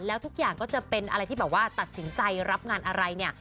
แล้วทุกอย่างก็จะเป็นอะไรที่แบบว่าตัดสินใจรับงานอะไรเนี่ย